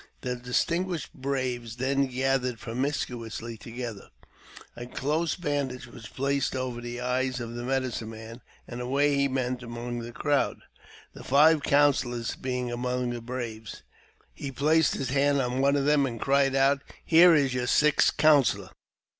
The distinguished braves thei gathered promiscuously together ; a close bandage was placet over the eyes of the medicine man, and away he went amonj the crowd. The five counsellors being among the braves, he^ placed his hand on one of them, and cried out, *' Here is your ; sixth counsellor."